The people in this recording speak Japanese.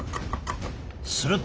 すると。